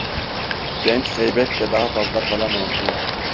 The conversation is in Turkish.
Genç zeybek de daha fazla kalamazdı.